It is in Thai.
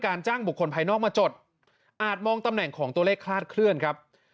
อาจมองตำแหน่งของตัวเลขคลาดเคลื่อนครับ